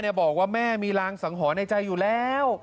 บอกว่าแม่มีรางสังหรณ์ในใจอยู่แล้ว